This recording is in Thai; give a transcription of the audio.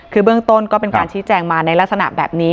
คือเบื้องต้นก็เป็นการชี้แจงมาในลักษณะแบบนี้